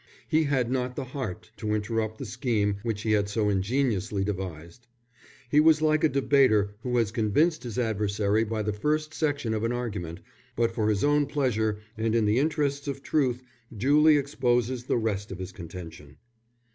He had not the heart to interrupt the scheme which he had so ingeniously devised. He was like a debater who has convinced his adversary by the first section of an argument, but for his own pleasure, and in the interests of truth, duly exposes the rest of his contention.